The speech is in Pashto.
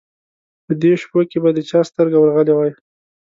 په دې شپو کې به د چا سترګه ورغلې وای.